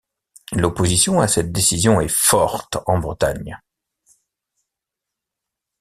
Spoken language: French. L'opposition à cette décision est forte en Bretagne.